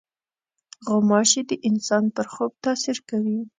غوماشې د انسان پر خوب تاثیر کوي.